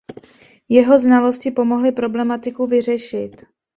Jeho znalosti pomohly problematiku vyřešit.